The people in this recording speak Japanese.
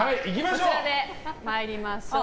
こちらで参りましょう。